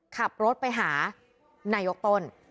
ขับรถไปหานายกต้น